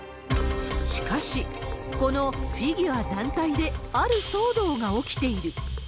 しかし、このフィギュア団体で、ある騒動が起きている。